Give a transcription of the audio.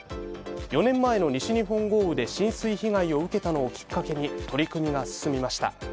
４年前の西日本豪雨で浸水被害を受けたのをきっかけに取り組みが進みました。